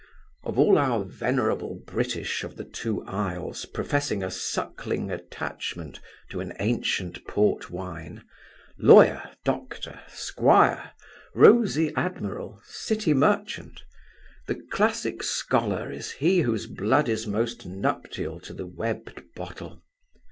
Of all our venerable British of the two Isles professing a suckling attachment to an ancient port wine, lawyer, doctor, squire, rosy admiral, city merchant, the classic scholar is he whose blood is most nuptial to the webbed bottle.